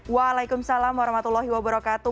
waalaikumsalam warahmatullahi wabarakatuh